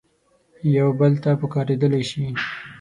یو بل ته پکارېدلای شي.